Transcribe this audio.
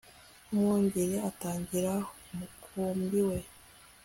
nkumwungeri aragira umukumbi we